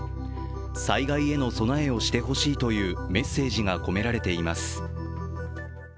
災害への備えをしてほしいというメッセージが込められています。